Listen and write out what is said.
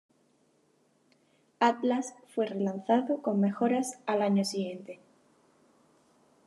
Atlas fue relanzado con mejoras al año siguiente.